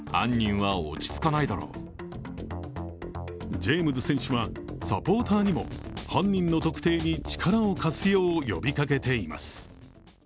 ジェームズ選手はサポーターにも犯人の特定に力を貸すよう呼びかけています。